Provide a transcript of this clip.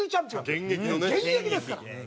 現役ですから。